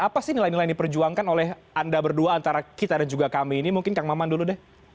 apa sih nilai nilai yang diperjuangkan oleh anda berdua antara kita dan juga kami ini mungkin kang maman dulu deh